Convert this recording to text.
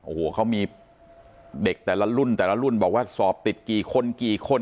โอ้โหเขามีเด็กแต่ละรุ่นแต่ละรุ่นบอกว่าสอบติดกี่คนกี่คน